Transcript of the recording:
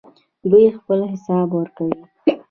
دوی خپل حساب ورکوي.